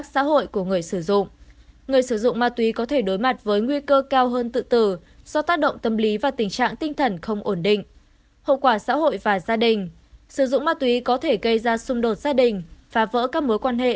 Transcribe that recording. sử dụng ma túy có thể gây ra xung đột gia đình phá vỡ các mối quan hệ